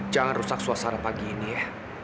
jangan rusak suasana pagi ini ya